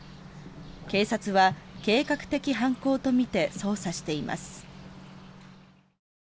警察は計画的犯行とみて捜査しています。